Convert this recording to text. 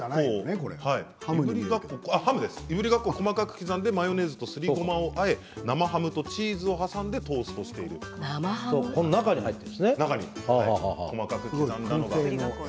いぶりがっこを細かく刻んでマヨネーズとすりごまをあえ生ハムとチーズを挟んで中に入っているんですね。